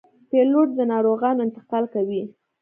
پیلوټ د ناروغانو انتقال کوي.